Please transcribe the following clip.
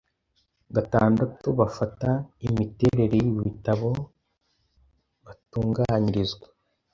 gatandatu bafata imiterere yibitabo batunganyirizwa